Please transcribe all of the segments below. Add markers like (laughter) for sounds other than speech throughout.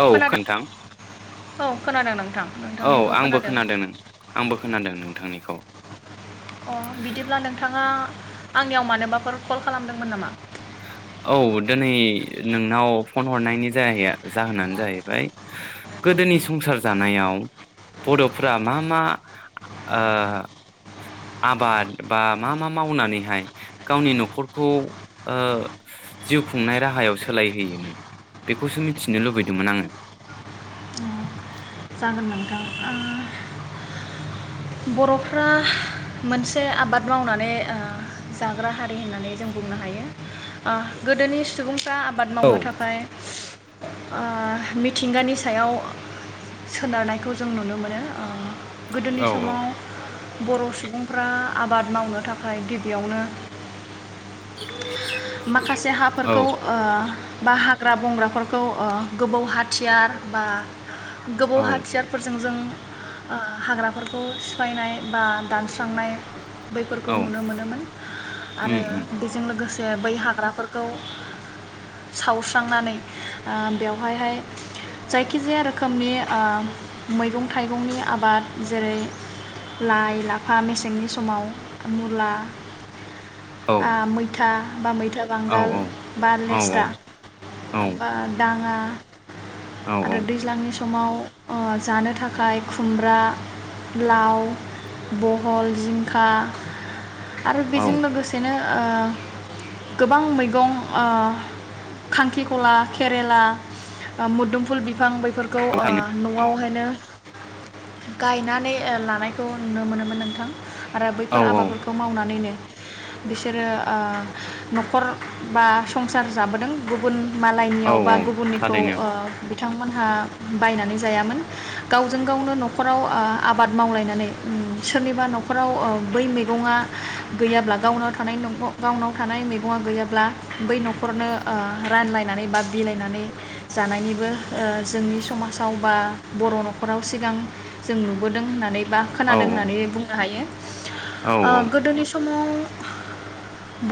औ खोन्थां। औ खोनादों नों औ आंबो खोनादों नों आंबो खोनादों नोंथांनिखौ अ बिदिब्ला नोंथाङा आंनियाव मानोबाफोर कल खालामदोंमोन नामा? औ दिनै नोंनाव फन हरनायनि जायैया जाहोनानो जाहैबाय गोदोनि संसार जानायाव बर'फ्रा मा मा ओ आबाद बा मा मा मावनानैहाय गावनि न'खरखौ, ओ जिउ खुंनाय राहायाव सोलायहोयोमोन बेखौसो मिथिनो लुबैदोंमोन आङो। जागोन नोंथां ओ बर'फ्रा मोनसे आबाद मावनानै ओ जाग्रा हारि होननानै जों बुंनो हायो ओ गोदोनि सुबुं। फ्रा आबाद औ मावनो थाखाय ओ मिथिंगानि सायाव सोनारनायखौ जों नुनो मोनो ओ गोदोनि समाव बर' सुबुंफ्रा आबाद मावनो थाखाय गिबियावनो। माखासे औ हाफोरखौ ओ बा हाग्रा बंग्राफोरखौ गोबौ हाथियार बा गोबौ औ हाथियारफोरजों जों ओ हाग्राफोरखौ सिफायनाय बा दानस्रांनाय बैफोरखौ औ नुनो मोनोमोन आरो उम उम बेजों लोगोसे। ओ बै हाग्राफोरखौ सावस्रांनानै ओ बेवहायहाय जायखिजाया रोखोम। रोखोमनि ओ मैगं थाइगंनि आबाद जेरै लाइ लाफा मेसेंनि समाव मुला। औ आ मैथा। बा मैं था औ बांगाल औ बा लेस्रा औ बा औ दाङा औ आरो औ दैज्लांनि सम समाव ओ जानो थाखाय खुमब्रा लाव बहल जिं खा आरो बेजों औ लोगोसेनो ओ गोबां मैगं ओ खांख्रिखला केरेला मुदुमफुल बिफां बैफोर (unintelligible) थारैनो न'आवहाय नो गायनानै ओ लानायखौ नुनो मोनोमोन नोंथां। आरो औ बैफोर आबादफोरखौ मावनानैनो बिसोरो आ न'खर बा संसार जाबोदों गुबुन औ मालायनियाव बा औ गुबुननिखौ थारैनो ओ बिथांमोनहा बायनानै जायामोन गावजों गावनो न'खराव ओ आबाद मावलायनानै सोरनिबा न'खराव बै मैगङा गैयाब्ला गावनाव थानाय गावनाव थानाय मैगङा गैयाब्ला बै न'खरनो रानलायनानै बा बिलायनानै जानायनिबो ओ जों समाजावबा बर' न'खराव सिगां जों नुबोदों होननानै बा औ खोनादों होननानै बुंनो हायो। औ ओ औ गोदोनि समाव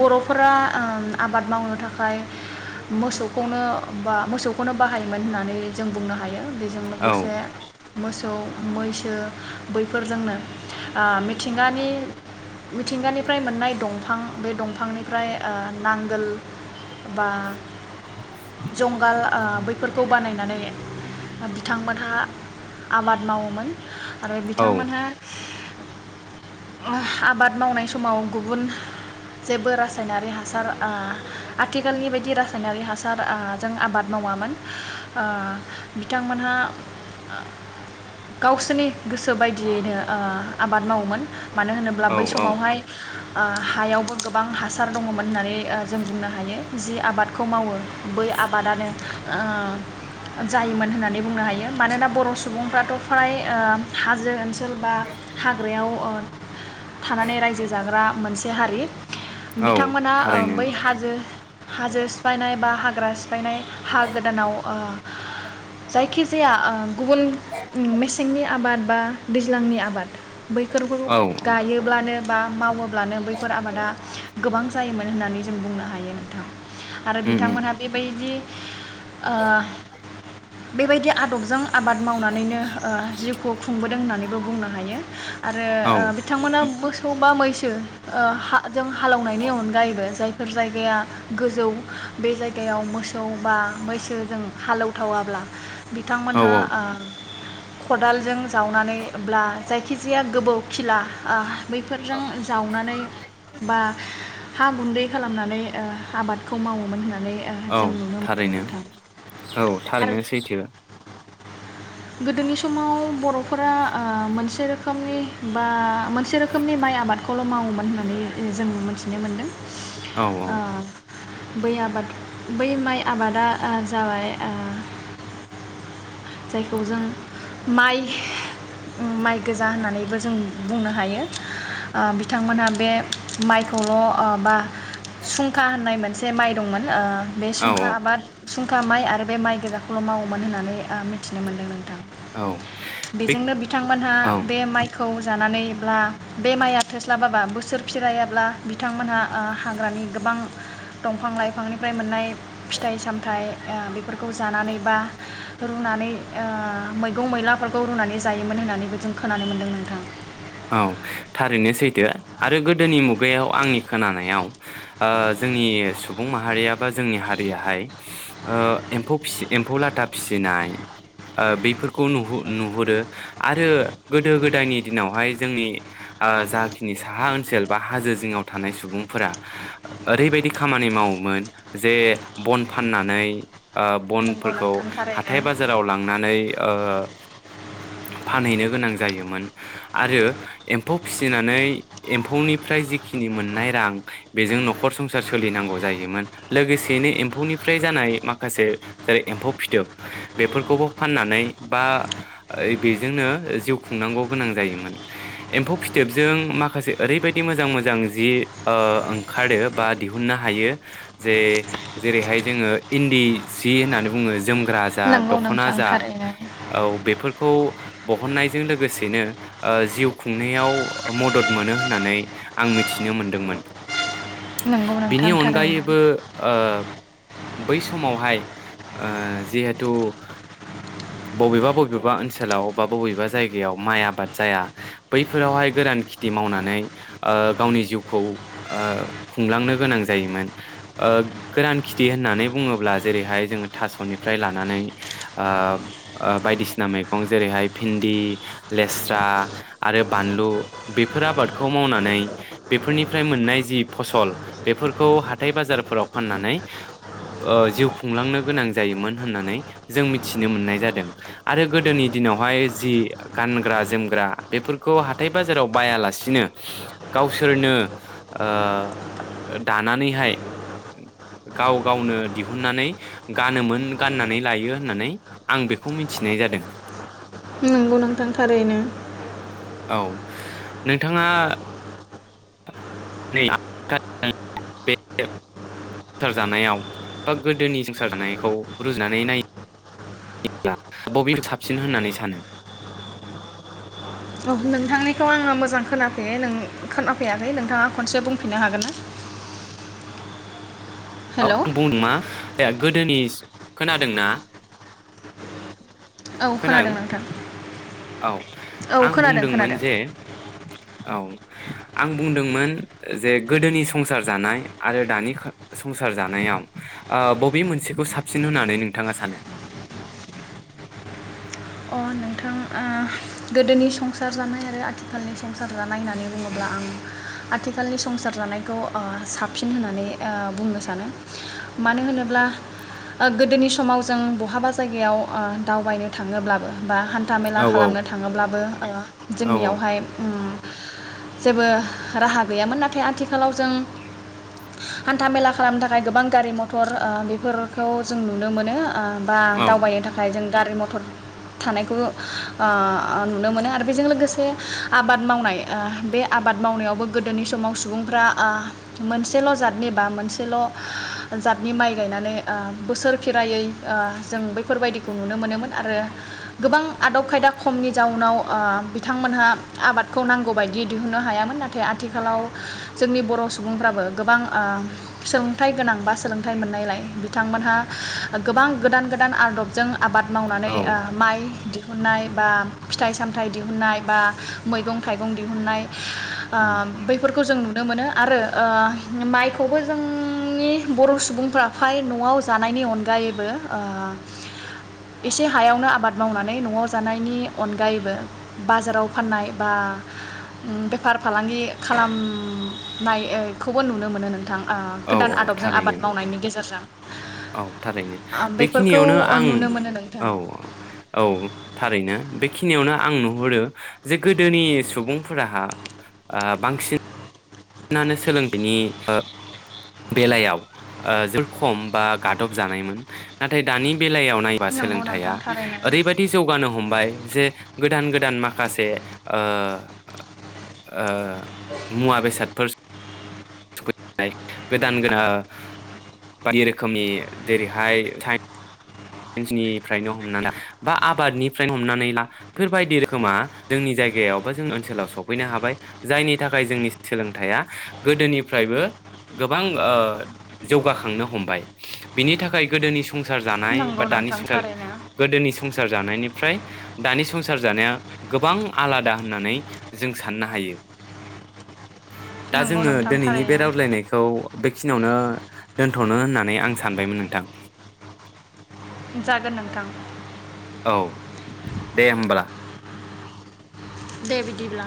बरफोरा ओ आबाद मावनो थाखाय मोसौखौनो बा मोसौखौनो बाहायोमोन होननानै जों बुंनो हायो हायो बेजों औ लोगोसे मोसौ मैसो बैफोरजोंनो ओ मिथिंगानि मिथिंगानिफ्राय मोननाय दंफां बे दंफांनिफ्राय ओ नांगोल बा जंगाल ओ बै फोरखौ बानायनानै बिथांमोनहा आबाद मावोमोन आरो औ बिथांमोनहा हो आबाद मावनाय समाव गुबुन जेबो रासायनारि हासार ओ आथिखालनि बायदि रासायनारि हासार ओ जों आबाद मावामोन ओ बिथांमोनहा ओ गावसोरनि गोसो बायदियैनो ओ आबाद मावोमोन मानो होनोब्ला औ बै औ समावहाय ओ हायावबो गोबां हासार दङमोन ओ होननानै जों बुंनो हायो जि आबादखौ मावो बै आबादानो ओ जायोमोन होननानै बुंनो हायो मानोना बर सुबुंफ्राथ फ्राय ओ हाजो ओनसोल बा हाग्रायाव ओ थानानै रायजो जाग्रा मोनसे से हारि औ बिथांमोना ओ थारैनो बै हाजो हाजो सिफायनाय बा हाग्रा सि बायनाय हा गोदानाव ओ जायखिजाया ओ गुबुन उम मेसेंनि आबाद बा दैज्लांनि आबाद बैफोरखौ औ गायोब्लानो बा मावो ब्लानो बैफोर आबादा गोबां जायोमोन होननानै जों बुंनो हायो नोंथां आरो उम उम बिथांमोनहा बेबायदि ओ। बेबायदि आदबजों आबाद मावनानैनो ओ जिउखौ खुंबोदों होननानै बो बुंनो हायो हो आरो औ ओ बिथांमोना बो मोसौ बा मैसो ओ हा जों हालौनायनि अनगायैबो जायफोर जायगाया गोजौ बे जायगायाव मोसौ बा मैसोजों हालौथावाब्ला बिथांमोनहा औ ओ खदालजों जावनानैब्ला जायखिजाया गोबौ खिला ओ बैफोरजों औ जावनानै बा हा गुन्दै खालामनानै ओ आबादखौ मावोमोन होनना नानै औ जों नुनो मोनदों थारैनो नोंथां। औ आरो थारैनो सैथो। गोदोनि समाव बर'फोरा ओ मोनसे रोखोमनि बा मोनसे रोखोमनि माइ आबादखौल' मावोमोन होननानै जों मिथिनो मोन्दों। औ ओ। बै आबाद बै माइ आबादा ओ जाबाय ओ जायखौ जों माइ माइ गोजा होननानैबो जों बुंनो हायो ओ बिथांमोनहा बे माइखौल' ओ बा सुंखा होननाय मोनसे माइ दंमोन। बे औ सुंखा आबाद सुंखा माइ आरो बे माइ गोजाखौल' मावोमोन होननानै ओ मिथिनो मोनदों नोंथां। औ बे बेजोंनो बिथांमोनहा औ बे माइखौ जानानै ब्ला बे माइआ थोस्लाबाबा बोसोर फिरायाब्ला बिथांमोनहा ओ हाग्रानि गोबां दंफां लाइफांनिफ्राय मोननाय फिथाइ साम थाइ ओ बिफोर खौ जानानै बा रुनानै ओ मैगं मैलाफोरखौ रुनानै जायोमोन होननानैबो जों खोनानो मोन्दों नोंथां। औ थारैनो सैथो आरो गोदोनि मुगायाव आंनि खोनानायाव ओ जोंनि सुबुं माहारिया बा जोंनि हारियाहाय ओ एम्फौ फिसि एम्फौ लाथा फिसिनाय ओ बेफोरखौ नुहु नुहुरो आरो गोदो गोदायनि दिनावहाय जोंनि ओ जाखिनि साहा ओनसोल बा हाजो जिङाव थानाय सुबुंफोरा ओरैबायदि खामानि मावोमोन जे बन फाननानै ओ नंगौ बनफोरखौ नोंथां हाथाय थारैनो बाजाराव लांनानै ओ फानहैनो गोनां जायोमोन आरो एम्फौ फिसिनानै एम्फौनिफ्राय जिखिनि मोननाय रां बेजों न'खर संसार सोलिनांगौ जायोमोन लोगोसेयैनो एम्फौनिफ्राय जानाय माखासे जेरै एम्फौ फिथोब बेफोरखौबो फाननानै बा बेजोंनो जिउ खुंनांगौ गोनां जायोमोन। एम्फौ फिथोबजों माखासे ओरैबायदि मोजां मोजां जि ओंखारो बा दिहुननो हायो जे जेरैहाय जोङो इन्दि सि होनानै बुङो। ग्रा जा नंगौ दख'ना नोंथां जा थारैनो औ बेफोर खौ बहननायजों लोगोसेनो ओ जिउ खुंनायाव मदद मोनो होननानै आं मिथिनो मोनदोंमोन। नंगौ बिनि नोंथां थारैनो अनगायैबो ओ बै समावहाय ओ जिहेथु बबेबा बबेबा ओनसोलाव बा बबेबा जायगायाव माइ आबाद जाया बैफोरावहाय गोरान खिथि मावनानै ओ गावनि जिउखौ ओ खुंलांनो गोनां जायोमोन ओ गोरान खिथि होननानै बुङोब्ला जेरैहाय जोङो थास'निफ्राय लानानै ओ बायदिसिना मैगं जेरैहाय भिन्दि, लेस्रा आरो बानलु बेफोर आबादखौ मावनानै बेफोरनिफ्राय मोननाय जि फसल बेफोरखौ हाथाइ बाजारफोराव फाननानै ओ जिउ खुंलांनो गोनां जायोमोन होननानै जों मिथिनो मोननाय जादों आरो गोदोनि दिनावहाय जि गानग्रा जोमग्रा बेफोरखौ हाथाय बाजाराव बायालासिनो गावसोरनो ओ दानानैहाय गाव गावनो दिहुननानै गानोमोन गाननानै लायो होननानै आं बेखौ मिथिनाय जादों। नंगौ नोंथां थारैनो। औ नोंथाङा (unintelligible) संसार जानायाव बा गोदोनि संसार जानायखौ रुजुनानै नायो ब्ला बबे साबसिन होननानै सानो? औ नोंथांनिखौ आङो मोजां खोनाफै- खोनाफैयाखै नोंथाङा खनसे बुंफिननो हागोन ना? औ हेल' आं बुंदों मा दा गोदोनिस खोनादोंना? औ खोनादों नोंथां। औ औ आं खोनादों बुंदोंमोन खोनादों जे औ आं बुंदोंमोन जे गोदोनि संसार जानाय आरो दानि खो संसार जानायाव ओ बबे मोनसेखौ साबसिन होननानै नोंथाङा सानो? अ नोंथां ओ गोदोनि संसार जानाय आरो आथिखालनि संसार जानाय होननानै बुङोब्ला आं आथिखालनि संसार जानायखौ ओ साबसिन होननानै ओ बुंनो सानो । थामेला औ औ खालामनोन। थाङोब्लाबो ओ औ जोंनिआव हाय उम जेबो राहा गैयामोन नाथाय आथिखालाव जों हान्था मेला खालामनो थाखाय गोबां गारि मथर ओ बेफोरखौ जों नुनो मोनो। ओ बा औ दावबायनो थाखाय जों गारि मथर थानायखौ ओ ओ नुनो मोनो आरो बेजों लोगोसे आबाद मावनाय ओ बे आबाद मावनायावबो गोदोनि समाव सुबुंफ्रा ओ मोनसेल' जाथनि बा मोनसेल' जादनि माइ गायनानै ओ बोसोर खेरायै ओ जों बैफोरबायदिखौ नुनो मोनोमोन आरो गोबां आदब खायदा खमनि जाउनाव ओ बिथांमोनहा आबादखौ नांगौ बायदि दिहुननो हायामोन नाथाय आथिखालाव जोंनि बर' सुबुंफ्राबो गोबां ओ सोलोंथाइ गोनां बा सोलोंथाइ मोननायलाय बिथांमोनहा गोबां गोदान गोदान आदबजों आबाद मावनानै औ ओ माइ दि (unintelligible) बा फिथाइ सामथाइ दिहुननाय बा मैगं थाइगं दिहुननाय ओ औ बैफोरखौ जों नुनो मोनो आरो ओ माइखौबो जोंनि बर' सुबुंफ्रा फ्राय न'आव जानायनि अनगायैबो ओ एसे हायावनो आबाद मावनानै न'आव जानायनि अनगायैबो बाजाराव फाननाय बा उम बेफार फालांगि खालामनाय खौबो नुनो मोनो नोंथां। ओ औ गोदान औ आदबजों आबाद थारैनो मावनायनि गेजेरजों औ थारैनो बेफोरखौ बेखिनियावनो आं नुनो मोनो नोंथां औ औ औ थारैनो बेखिनियावनो आं नुहरो जे गोदोनि सुबुंफोराहा बांसिन सिनानो सोलो बिनि‌ बेलायाव जोर खम बा गादब जानायमोन नाथाय दानि बेलायाव नायबा नंगौ नोंथां सोलोंथाइआ थारैनो ओरैबायदि जौगानो हमबाय जे गोदान गोदान माखास खासे ओ ओ मुवा बेसाद (unintelligible) गोदान गोन ओ बायदि रोखोमनि जेरै हाय साय (unintelligible) निफ्रायनो हमनानै ला बा आबादनिफ्रायनो हमनानै ला बेफोरबायदि रोखोमा जोंनि जायगायाव बा जों ओनसोलाव सफैनो हाबाय जायनि थाखाय जोंनि सोलोंथाइया गोदोनिफ्रायबो गोबां ओ जौगाखांनो हमबाय। बिनि थाखाय गोदोनि संसार जानाय बा नंगौ दानि नोंथां संसार थारैनो गोदोनि संसार जानायनिफ्राय दानि संसार जानाया गोबां आलादा होननानै जों साननो हायो । दा नंगौ जोङो नोंथां दोनैनि बे थारैनो रावलायनायखौ बे खिनावनो दोनथ'नो होननानै आं सानबायमोन नोंथां। जागोन नोंथां औ दे होनब्ला। दे बिदिब्ला